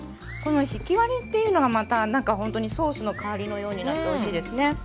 このひき割りっていうのがまたなんかほんとにソースの代わりのようになっておいしいですね。